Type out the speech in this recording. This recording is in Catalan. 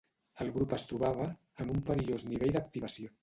El grup es trobava ‘en un perillós nivell d’activació’.